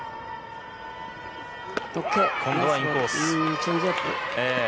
チェンジアップ。